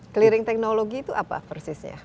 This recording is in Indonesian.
clearing teknologi itu apa persisnya